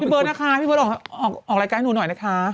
พี่เบิ้ลนะคะพี่เบิ้ลออกรายการให้หนูหน่อยนะคะ